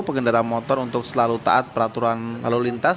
pengendara motor untuk selalu taat peraturan lalu lintas